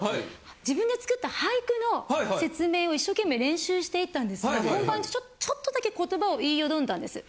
自分が作った俳句の説明を一生懸命練習していったんですが本番でちょっとだけ言葉を言い淀んだんです。